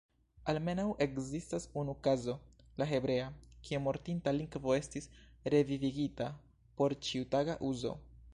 Almenaŭ ekzistas unu kazo, la hebrea, kie mortinta lingvo estis "revivigita" por ĉiutaga uzo.